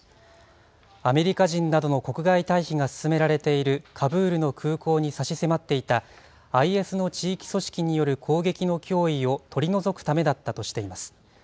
アメリカ人などの国外退避が進められているカブールの空港に差し迫っていた、ＩＳの地域組織による攻撃の脅威を取り除くためだったとしています。